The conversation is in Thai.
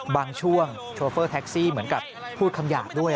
บางช่วงโชเฟอร์แท็กซี่เหมือนกับพูดคำหยาบด้วย